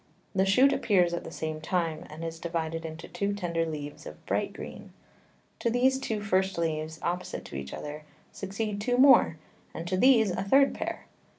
The Shoot appears at the same time, and is divided into two tender Leaves of bright Green: To these two first Leaves, opposite to each other, succeed two more, and to these a third Pair.